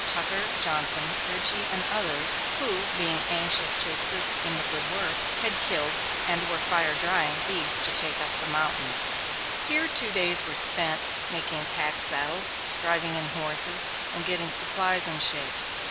Tucker, Johnson, Richey and others, who, being anxious to assist in the good work, had killed, and were fire drying, beef to take up the mountains. Here two days were spent making pack saddles, driving in horses, and getting supplies in shape.